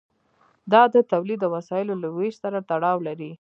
دا د تولید د وسایلو له ویش سره تړاو لري.